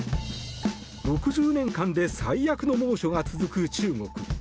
６０年間で最悪の猛暑が続く中国。